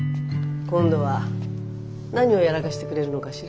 今度は何をやらかしてくれるのかしら？